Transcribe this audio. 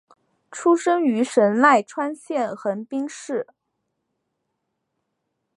出身于神奈川县横滨市。